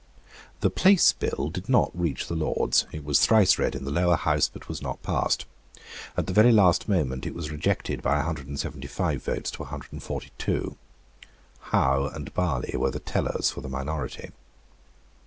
The Place Bill did not reach the Lords. It was thrice read in the Lower House, but was not passed. At the very last moment it was rejected by a hundred and seventy five votes to a hundred and forty two. Howe and Barley were the tellers for the minority.